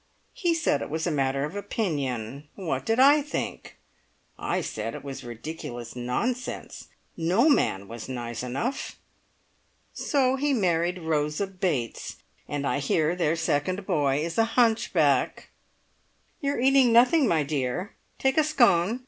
He said it was a matter of opinion. What did I think? I said it was ridiculous nonsense. No man was nice enough! So he married Rosa Bates, and I hear their second boy is a hunchback. You are eating nothing, my dear. Take a scone.